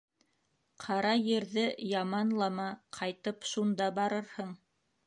Ҡара ерҙе яманлама, ҡайтып, шунда барырһың